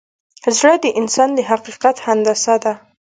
زړه د انسان د حقیقت هندسه ده.